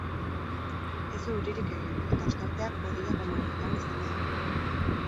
Ez du euririk egingo, eta ostarteak hodeiak baino gehiago izango dira.